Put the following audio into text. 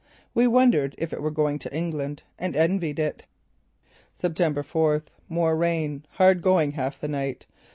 We wondered if it were going to England, and envied it. "September fourth: More rain. Hard going half the night.